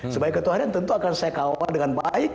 sebagai ketua harian tentu akan saya kawal dengan baik